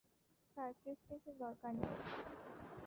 Sir, কেসটেসের দরকার নেই।